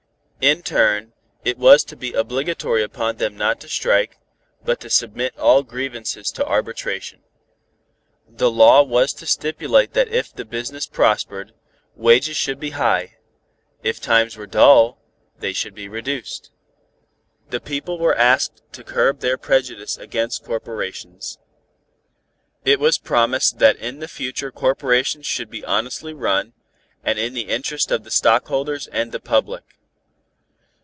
] In turn, it was to be obligatory upon them not to strike, but to submit all grievances to arbitration. The law was to stipulate that if the business prospered, wages should be high; if times were dull, they should be reduced. The people were asked to curb their prejudice against corporations. It was promised that in the future corporations should be honestly run, and in the interest of the stockholders and the public.